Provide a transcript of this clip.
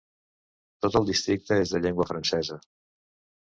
Tot el districte és de llengua francesa.